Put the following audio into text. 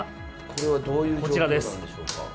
これはどういう状況なんでしょうか。